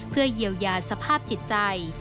เพื่อเยียวยาสภาพจิตใจ